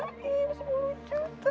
masih minum uang kemana